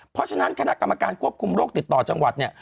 เพราะฉะนั้นคณะกรรมการควบคุมโรคติดต่อจังหวัดเนี่ย